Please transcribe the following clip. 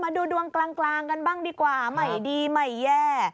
ดูดวงกลางกันบ้างดีกว่าใหม่ดีใหม่แย่